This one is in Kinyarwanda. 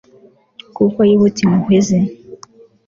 kuko yibutse impuhwe ze